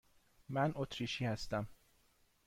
من اتریشی هستم.